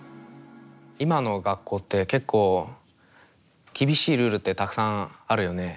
今の学校って結構厳しいルールってたくさんあるよね。